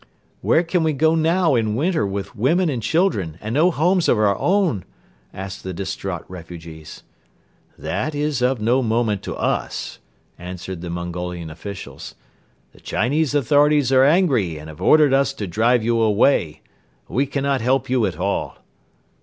"Where can we go now in winter with women and children and no homes of our own?" asked the distraught refugees. "That is of no moment to us," answered the Mongolian officials. "The Chinese authorities are angry and have ordered us to drive you away. We cannot help you at all."